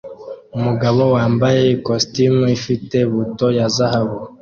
Umugabo wambaye ikositimu ifite buto ya zahabu